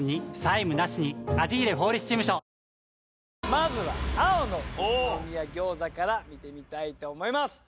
まずは青の宇都宮餃子から見てみたいと思います。